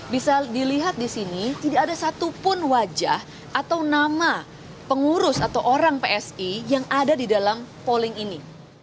bisa dilihat di sini tidak ada satupun wajah atau nama pengurus atau orang psi yang ada di dalam polling ini